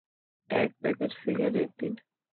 এক packet cigarette দিন।